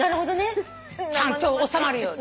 ちゃんと収まるように。